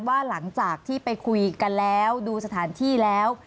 ว่าหลังจากที่ไปคุยกันแล้วดูสถานที่แล้ว